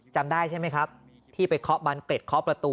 จำได้ใช่ไหมครับที่ไปเคาะบันเกร็ดเคาะประตู